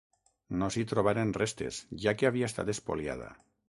No s'hi trobaren restes, ja que havia estat espoliada.